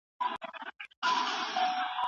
خیبره ! ستا د فتحې د لښکر لارې تړلي